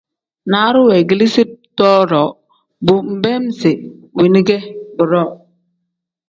Naaru weegeleezi too-ro bo nbeem isi weeni ge buduu.